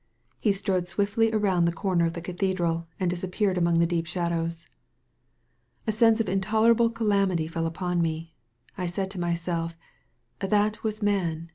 He strode swiftly around the comer of the cathedral and disappeared among the deep shadows. A sense of intolerable calamity fell upon me. I said to myself: "That was Man!